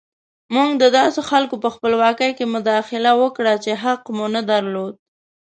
موږ د داسې خلکو په خپلواکۍ کې مداخله وکړه چې حق مو نه درلود.